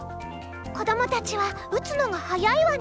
こどもたちは打つのが早いわね。